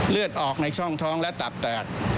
เลือดออกในช่องท้องและตับแตก